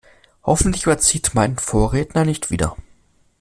Hoffentlich überzieht mein Vorredner nicht wieder.